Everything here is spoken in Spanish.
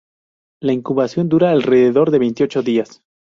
La incubación dura alrededor de veintiocho días.